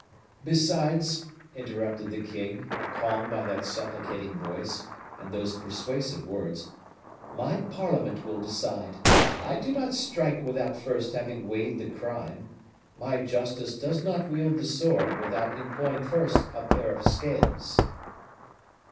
"Besides," interrupted the king, calmed by that supplicating voice, and those persuasive words, "my parliament will decide. I do not strike without first having weighed the crime; my justice does not wield the sword without employing first a pair of scales."